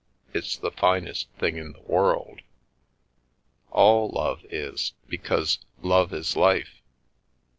It's the finest thing in the world. All love is, because love is life.